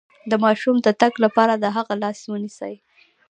د ماشوم د تګ لپاره د هغه لاس ونیسئ